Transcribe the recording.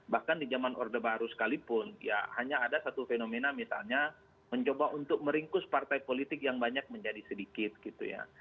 bahkan di zaman orde baru sekalipun ya hanya ada satu fenomena misalnya mencoba untuk meringkus partai politik yang banyak menjadi sedikit gitu ya